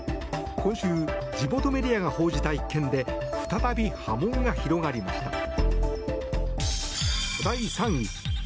今週地元メディアが報じた一件で再び波紋が広がりました。